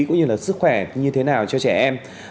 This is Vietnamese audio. cũng như là sức khỏe như thế nào cho trẻ em